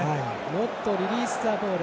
ノットリリースザボール。